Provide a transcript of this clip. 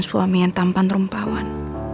suami yang tampan rumpawan